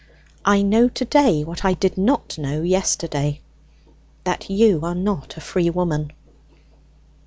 I know to day what I did not know yesterday that you are not a free woman.